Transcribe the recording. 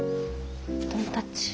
ドンタッチ。